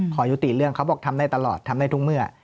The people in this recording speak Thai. ขอยุติเรื่องเขาบอกทำได้ตลอดทำได้ทุกเมื่อ